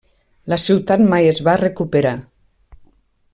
La ciutat mai es va recuperar.